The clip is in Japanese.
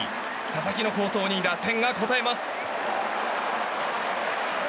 佐々木の好投に打線が応えます。